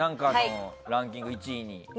ランキングの１位に。